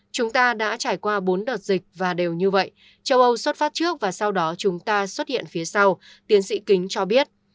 chúng ta đã trải qua bốn đợt dịch và đều như vậy châu âu xuất phát trước và sau đó chúng ta xuất hiện phía sau tiến sĩ kính cho biết